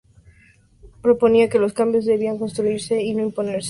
Proponía que los cambios debían construirse y no imponerse.